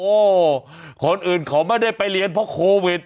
โอ้โหคนอื่นเขาไม่ได้ไปเรียนเพราะโควิด